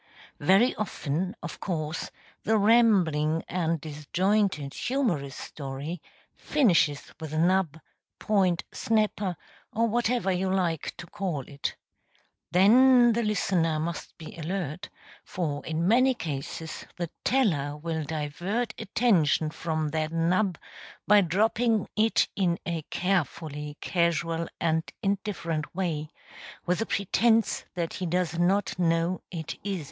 Very often, of course, the rambling and disjointed humorous story finishes with a nub, point, snapper, or whatever you like to call it. Then the listener must be alert, for in many cases the teller will divert attention from that nub by dropping it in a carefully casual and indifferent way, with the pretence that he does not know it is a nub.